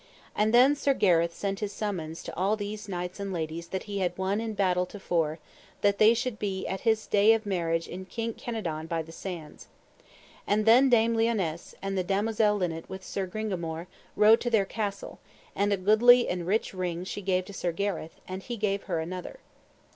And then Sir Gareth sent his summons to all these knights and ladies that he had won in battle to fore, that they should be at his day of marriage at Kink Kenadon by the sands. And then Dame Lionesse, and the damosel Linet with Sir Gringamore, rode to their castle; and a goodly and a rich ring she gave to Sir Gareth, and he gave her another.